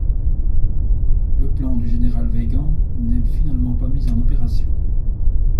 Le plan du général Weygand n’est finalement pas mis en opération.